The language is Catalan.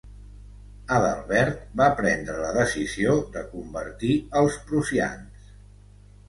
Adalbert va prendre la decisió de convertir els prussians.